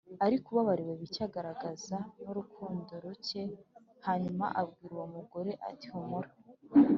Ariko ubabariwe bike agaragaza n urukundo ruke Hanyuma abwira uwo mugore ati humura